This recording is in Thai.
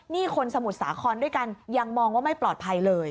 นี่คนสมุทรสาครด้วยกันยังมองว่าไม่ปลอดภัยเลย